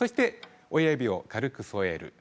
親指を軽く添えます。